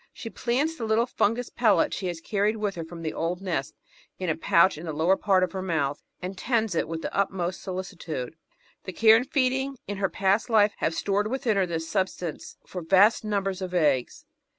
She plants the little fungus pellet she has carried with her from the old nest in a pouch in the lower part of her mouth, and tends it with the utmost solicitude. The care and feeding in her past life have stored within her the substance for vast numbers of eggs.